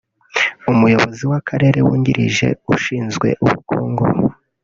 Umuyobozi w’akarere wungirije ushinzwe ubukungu